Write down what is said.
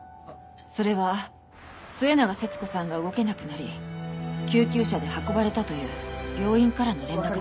それは末永節子さんが動けなくなり救急車で運ばれたという病院からの連絡だった。